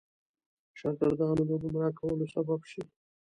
شاګردانو د ګمراه کولو سبب شي.